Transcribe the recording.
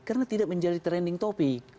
karena tidak menjadi trending topic